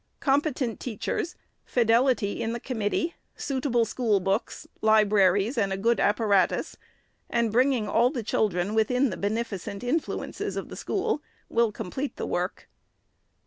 Competent teach ers, fidelity in the committee, suitable school books, libra ries and a good apparatus, and bringing all the children VOL. I. 32 498 THE SECRETARY'S within the beneficent influences of the school, will com plete the work.